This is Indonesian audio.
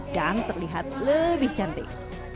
dan terlihat lebih cantik